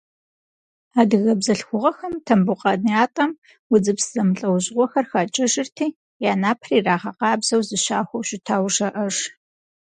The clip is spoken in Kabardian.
Адыгэ бзылъхугъэхэм Тамбукъан ятӏэм удзыпс зэмылӏэужьыгъуэхэр хакӏэжырти, я напэр ирагъэкъабзэу, зыщахуэу щытауэ жаӏэж.